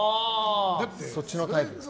そっちのタイプです。